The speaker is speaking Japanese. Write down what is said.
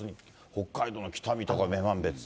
北海道の北見とか、女満別で。